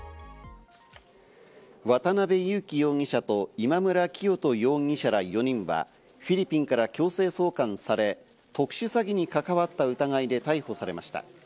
渡辺優樹容疑者と今村磨人容疑者ら４人はフィリピンから強制送還され、特殊詐欺に関わった疑いで逮捕されました。